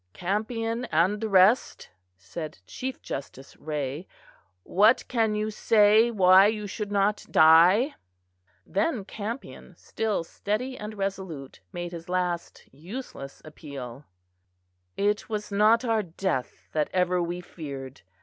"Campion and the rest," said Chief Justice Wray, "What can you say why you should not die?" Then Campion, still steady and resolute, made his last useless appeal. "It was not our death that ever we feared.